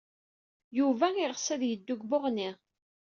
Yuba yeɣs ad yeddu seg Buɣni.